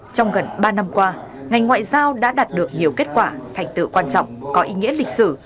trong gần ba năm qua ngành ngoại giao đã đạt được nhiều kết quả thành tựu quan trọng có ý nghĩa lịch sử